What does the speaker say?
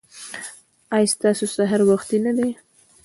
ایا ستاسو سهار وختي نه دی؟